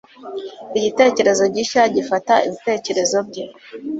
igitekerezo gishya gifata ibitekerezo bye